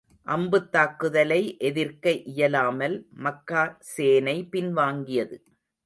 அம்புத் தாக்குதலை எதிர்க்க இயலாமல், மக்கா சேனை பின்வாங்கியது.